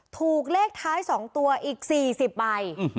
ถูกเลขท้าย๒ตัวอีก๔๐ใบ